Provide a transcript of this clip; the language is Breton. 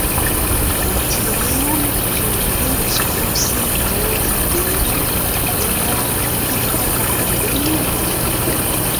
An tireoul zo un helosk fosil a orin bevel, ennañ hidrokarbidennoù dreist-holl.